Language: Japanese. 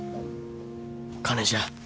金じゃ。